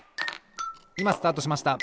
いまスタートしました！